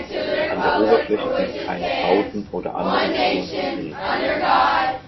An der Oberfläche sind keine Bauten oder anderen Spuren zu sehen.